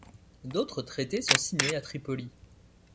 D'autres traités sont signés à Tripoli.